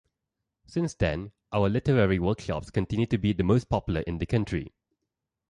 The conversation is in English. Since then our Literary Workshops continue to be the most popular in the country.